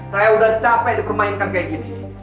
saya udah capek dipermainkan kayak gini